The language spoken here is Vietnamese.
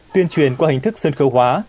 tuyên truyền qua hình thức sân khấu hóa